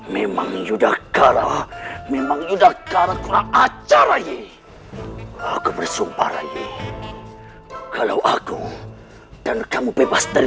memang yudhakara memang yudhakara kurang ajar rayi aku bersumpah rayi kalau aku dan kamu bebas dari